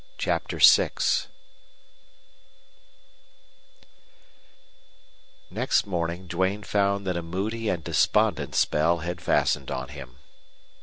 CHAPTER VI Next morning Duane found that a moody and despondent spell had fastened on him.